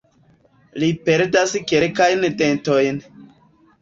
Li perdas kelkajn dentojn.